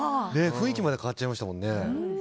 雰囲気まで変わっちゃいましたもんね。